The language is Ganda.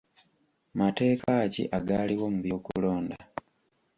Mateeka ki agaaliwo mu by'okulonda?